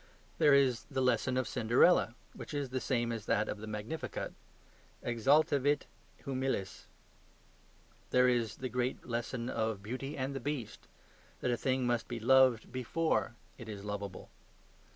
There is the lesson of "Cinderella," which is the same as that of the Magnificat EXALTAVIT HUMILES. There is the great lesson of "Beauty and the Beast"; that a thing must be loved BEFORE it is loveable.